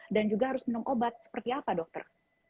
dan juga harus minum obat seperti apa dokter